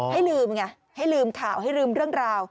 ให้ลืมไงให้ลืมข่าวให้ลืมเรื่องราว